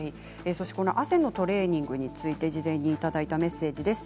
汗のトレーニングについて事前にいただいたメッセージです。